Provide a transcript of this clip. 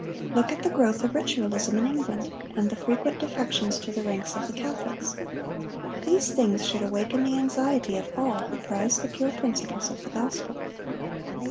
Look at the growth of ritualism in England, and the frequent defections to the ranks of the Catholics. These things should awaken the anxiety of all who prize the pure principles of the gospel.